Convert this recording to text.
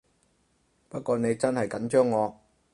不過你真係緊張我